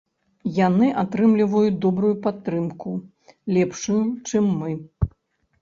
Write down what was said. Яны атрымліваюць добрую падтрымку, лепшую, чым мы.